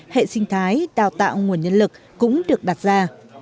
hệ sinh thái đào tạo nguồn nhân lực cũng được đặt ra